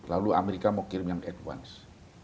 lalu amerika mau kirim yang advance